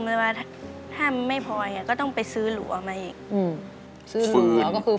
หรือว่าถ้ามันไม่พออย่างนี้ก็ต้องไปซื้อหลัวมาเอง